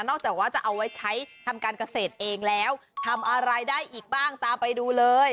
จากว่าจะเอาไว้ใช้ทำการเกษตรเองแล้วทำอะไรได้อีกบ้างตามไปดูเลย